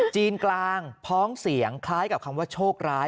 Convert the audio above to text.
จีนกลางพ้องเสียงคล้ายกับคำว่าโชคร้าย